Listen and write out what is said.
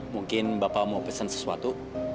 mungkin bapak mau pesen sesuatu